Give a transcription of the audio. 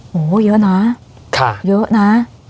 โหเยอะนะ